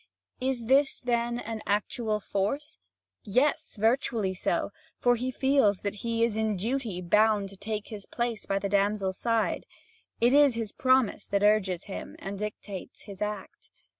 Is this then an actual force? Yes, virtually so; for he feels that he is in duty bound to take his place by the damsel's side. It is his promise that urges him and dictates his act.